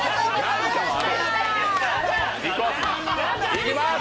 いきます